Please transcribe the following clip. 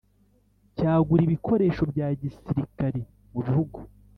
cyagura ibikoresho bya gisirikari mu bihugu